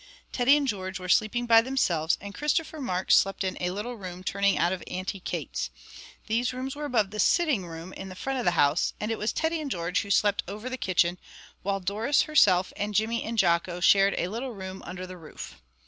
Teddy and George were sleeping by themselves, and Christopher Mark slept in a little room turning out of Auntie Kate's. These rooms were above the sitting room in the front of the house, and it was Teddy and George who slept over the kitchen; while Doris herself and Jimmy and Jocko shared a little room under the roof.